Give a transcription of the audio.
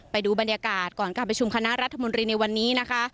ไปดูบรรยากาศก่อนการประชุมคณะรัฐมนตรีในวันนี้นะคะ